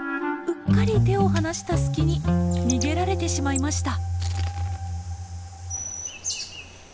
うっかり手を離した隙に逃げられてしまいました。